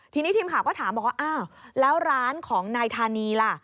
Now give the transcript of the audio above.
ทีนี้ทีมข่าวก็ถามบอกว่าอ้าวแล้วร้านของนายธานีล่ะ